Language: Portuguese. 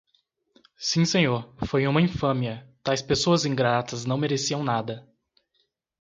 Sim senhor, foi uma infâmia; Tais pessoas ingratas não mereciam nada.